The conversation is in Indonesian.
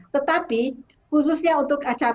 tetapi khususnya untuk masjid